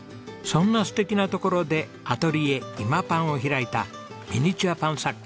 そんな素敵なところでアトリエ「ｉｍａｐａｎ」を開いたミニチュアパン作家